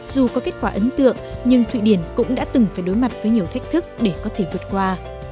dù có kết quả ấn tượng nhưng thụy điển cũng đã từng phải đối mặt với nhiều thách thức để có thể vượt qua